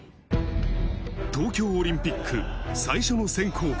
東京オリンピック最初の選考会。